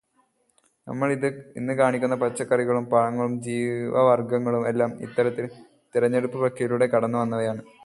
നമ്മൾ ഇന്ന് കാണുന്ന പച്ചക്കറികളും പഴങ്ങളും ജീവിവർഗങ്ങളും എല്ലാം ഇത്തരത്തിൽ തിരെഞ്ഞെടുപ്പു പ്രക്രിയയിലൂടെ കടന്നു വന്നവയാണ്.